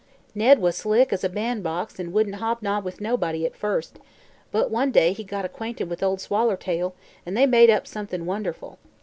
Ned was slick as a ban'box an' wouldn't hobnob with nobody, at first; but one day he got acquainted with Ol' Swallertail an' they made up somethin' wonderful.